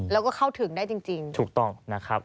แล้วก็เข้าถึงได้จริงถูกต้องนะครับ